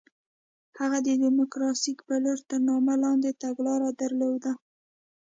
هغوی د ډیموکراسۍ په لور تر نامه لاندې تګلاره درلوده.